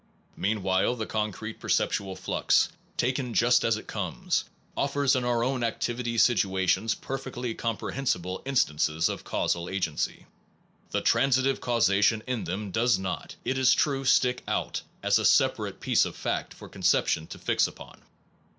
Meanwhile the concrete perceptual flux, taken just as it comes, offers in our own activity situations perfectly com prehensible instances of causal agency. The transitive causation in them does not, it is true, stick out as a separate piece of fact for conception to fix upon.